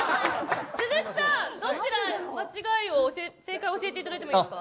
鈴木さんどちらを間違えを正解教えていただいていいですか。